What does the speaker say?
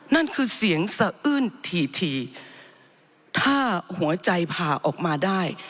นั่นคือเสียงสะอื้นถี่ถ้าหัวใจผ่าออกมาได้